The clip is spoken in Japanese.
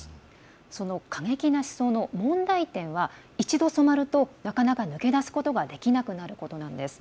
その過激な思想の問題点は一度、染まるとなかなか抜け出すことができなくなることなんです。